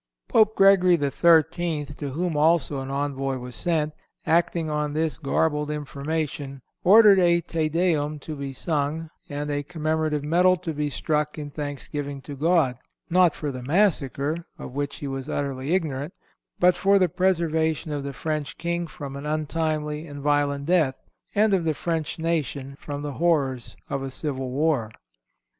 Pope Gregory XIII., to whom also an envoy was sent, acting on this garbled information, ordered a "Te Deum" to be sung, and a commemorative medal to be struck in thanksgiving to God, not for the massacre, of which he was utterly ignorant, but for the preservation of the French King from an untimely and violent death, and of the French nation from the horrors of a civil war.